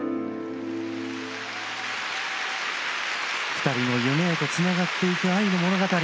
２人の夢へと繋がっていく愛の物語。